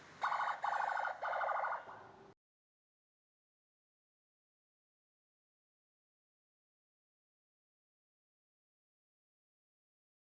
ratih aulia jakarta